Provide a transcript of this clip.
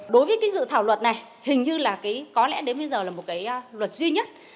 đối với dự thảo luật này hình như có lẽ đến bây giờ là một luật duy nhất